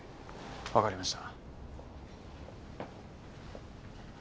わかりました。